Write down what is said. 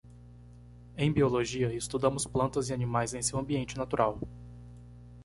Em biologia, estudamos plantas e animais em seu ambiente natural.